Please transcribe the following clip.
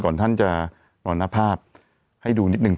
ก่อนท่านจะนอนอภาพให้ดูนิดนึง